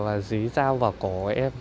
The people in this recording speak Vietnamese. và dí dao vào cổ em